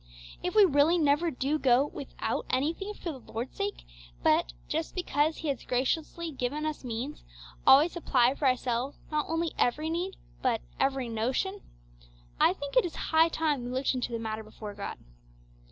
If we really never do go without anything for the Lord's sake, but, just because He has graciously given us means, always supply for ourselves not only every need but 'every notion,' I think it is high time we looked into the matter before God.